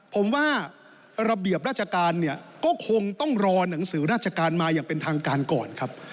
ผมว่าระเบียบราชการเนี่ยก็คงต้องรอหนังสือราชการมาอย่างเป็นทางการก่อนครับ